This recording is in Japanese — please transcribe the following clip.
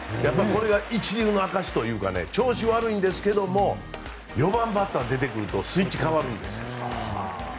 これが一流の証しというか調子悪いんですけども４番バッターが出てくるとスイッチが変わるんです。